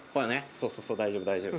そうそうそう大丈夫大丈夫。